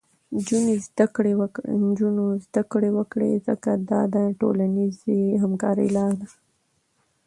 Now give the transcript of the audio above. نجونې زده کړه وکړي، ځکه دا د ټولنیزې همکارۍ لاره ده.